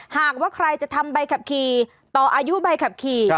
หากว่าใครจะทำใบขับขี่ต่ออายุใบขับขี่